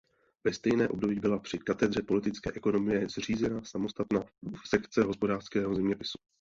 Ve stejné období byla při katedře politické ekonomie zřízena samostatná sekce hospodářského zeměpisu.